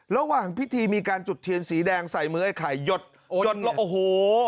ระหว่างพิธีมีการจุดเทียนสีแดงใส่มือไอ้ไข่หยดหยดแล้วโอ้โห